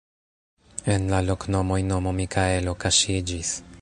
En la loknomoj nomo Mikaelo kaŝiĝis.